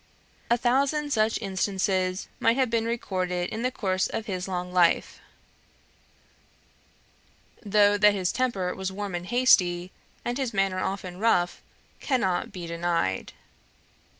A thousand such instances might have been recorded in the course of his long life; though that his temper was warm and hasty, and his manner often rough, cannot be denied.